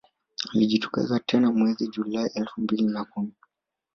Alijitokeza tena mwezi Julai elfu mbili na kumi